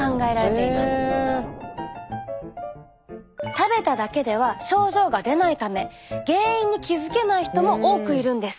食べただけでは症状が出ないため原因に気付けない人も多くいるんです。